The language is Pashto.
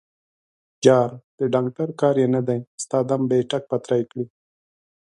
_جار، د ډانګټر کار يې نه دی، ستا دم به يې ټک پتری کړي.